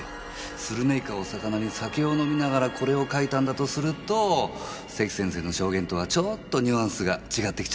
するめいかを肴に酒を飲みながらこれを書いたんだとすると関先生の証言とはちょっとニュアンスが違ってきちゃうんですよねぇ。